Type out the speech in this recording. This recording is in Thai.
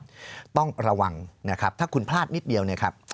คุณต้องระวังถ้าคุณพลาดนิดเดียวเนี่ยครับ